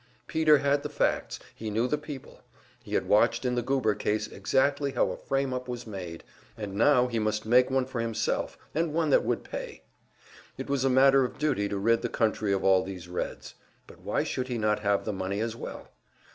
Peter had the facts, he knew the people; he had watched in the Goober case exactly how a "frame up" was made, and now he must make one for himself, and one that would pay. It was a matter of duty to rid the country of all these Reds; but why should he not have the money as well?